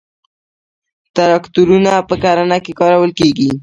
تراکتورونه په کرنه کې کارول کیږي.